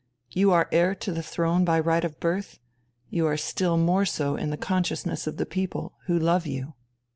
You are heir to the throne by right of birth, you are still more so in the consciousness of the people, who love you...."